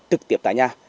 tực tiệp tại nhà